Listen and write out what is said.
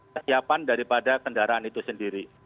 kesiapan daripada kendaraan itu sendiri